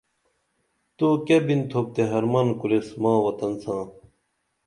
تو کیہ بِنتُھپ تے حرمن کُریس ماں وطن ساں